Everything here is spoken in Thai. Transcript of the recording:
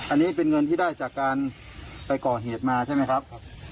อันนี้เป็นเงินที่ได้จากการไปก่อเหตุมาใช่ไหมครับ